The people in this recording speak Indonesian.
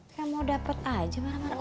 kamu dapet aja marah marah gue